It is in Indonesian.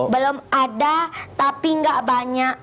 belum ada tapi nggak banyak